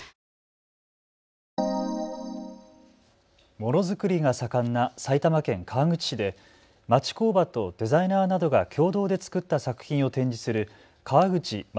ものづくりが盛んな埼玉県川口市で町工場とデザイナーなどが共同で作った作品を展示する川口ま